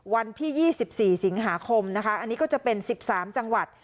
วันที่๒๔สิงหาคมนะคะอันนี้ก็จะเป็น๑๓จังหวัด